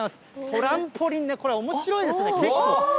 トランポリンで、これおもしろいですね、結構。